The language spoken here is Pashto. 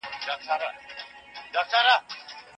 که موږ ټیکنالوژي نلرو نو ژوند به مو ورو وي.